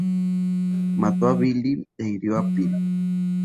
Mató a Billy e hirió a Phil.